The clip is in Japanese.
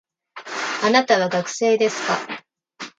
あなたは学生ですか